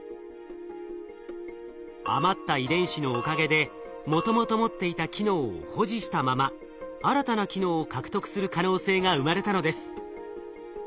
余った遺伝子のおかげでもともと持っていた機能を保持したまま新たな機能を獲得する可能性が生まれたのです。